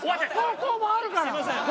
後攻もあるから！